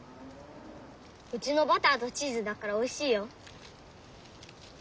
うちのバターとチーズだからおいしいよ。